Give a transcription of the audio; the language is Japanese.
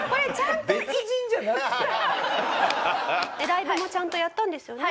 ライブもちゃんとやったんですよね？